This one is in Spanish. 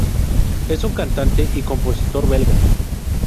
Es un cantante y compositor belga.